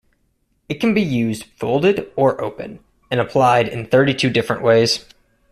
It can be used folded or open, and applied in thirty-two different ways.